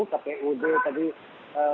tapi udah tadi ee